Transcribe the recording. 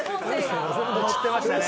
のってましたね。